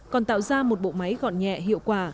còn tạo ra một bộ máy gọn nhẹ hiệu quả